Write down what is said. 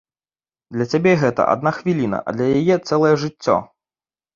Для цябе гэта адна хвіліна, а для яе цэлае жыццё.